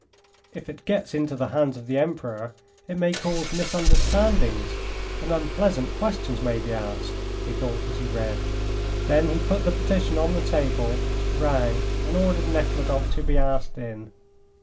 "If it gets into the hands of the Emperor it may cause misunderstandings, and unpleasant questions may be asked," he thought as he read. Then he put the petition on the table, rang, and ordered Nekhludoff to be asked in.